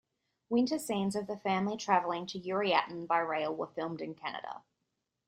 Winter scenes of the family traveling to Yuriatin by rail were filmed in Canada.